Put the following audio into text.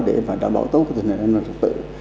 để đảm bảo tốt